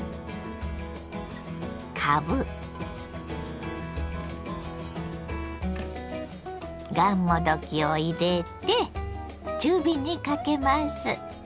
かぶがんもどきを入れて中火にかけます。